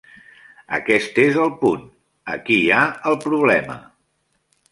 Aquest és el punt. Aquí hi ha el problema.